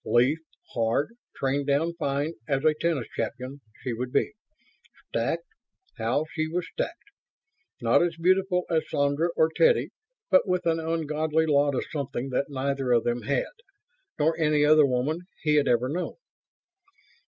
Lithe, hard, trained down fine as a tennis champion, she would be. Stacked how she was stacked! Not as beautiful as Sandra or Teddy ... but with an ungodly lot of something that neither of them had ... nor any other woman he had ever known.